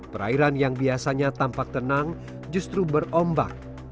perairan yang biasanya tampak tenang justru berombak